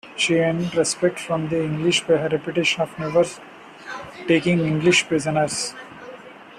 She earned respect from the English by her reputation of never taking English prisoners.